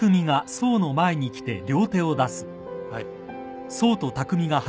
はい。